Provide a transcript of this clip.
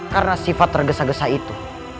karena sifat tergesa gesa itu